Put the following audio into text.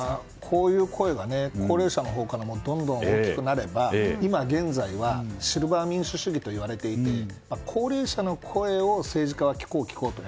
こういう声が高齢者のほうからも大きくなれば今、現在はシルバー民主主義といわれていて高齢者の声を政治家は聞こう、聞こうとする。